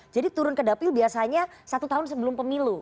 jadi turun ke dapil biasanya satu tahun sebelum pemilu